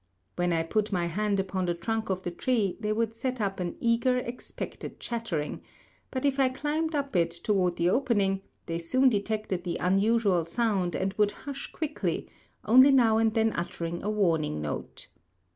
When I put my hand upon the trunk of the tree they would set up an eager, expectant chattering; but if I climbed up it toward the opening, they soon detected the unusual sound and would hush quickly, only now and then uttering a warning note.